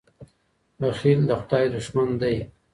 بخیل د خدای دښمن دی.